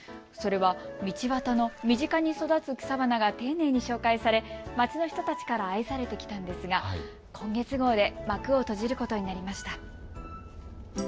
それは道ばたの身近に育つ草花が丁寧に紹介され町の人たちから愛されてきたんですが今月号で幕を閉じることになりました。